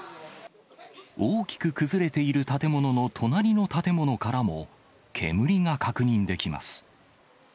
大きく崩れている建物の隣の建物からも、煙が確認できます。